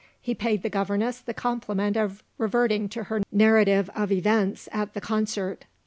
He paid the governess the compliment of reverting to her narrative of events at the concert.